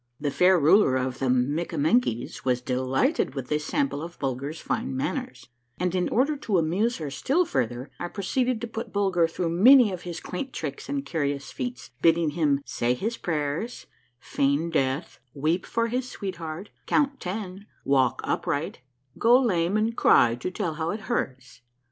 The fair ruler of the Mikkamenkies was delighted with this sample of Bulger's fine manners, and in order to amuse her still further I proceeded to put Bulger through many of his quaint tricks and curious feats, bidding him " say his prayers," " feign death," "weep for his sweetheart," " count ten," "walk upright," "go lame and cry to tell how it hurts."